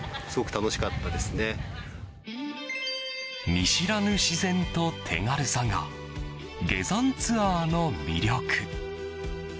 見知らぬ自然と手軽さが下山ツアーの魅力。